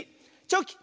「チョキ」。